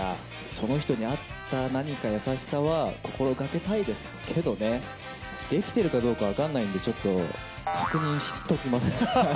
その人に合った何か優しさは心がけたいですけどね、できているかどうか分かんないんで、ちょっと確認しときます。